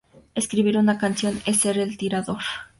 Escribir una canción es ser el tirador.